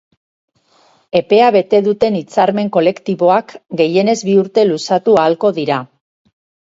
Epea bete duten hitzarmen kolektiboak gehienez bi urte luzatu ahalko dira.